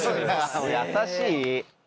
優しい。